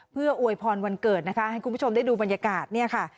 เพื่ออวยพรวันเกิดนะคะให้คุณผู้ชมได้ดูบรรยากาศเนี่ยค่ะ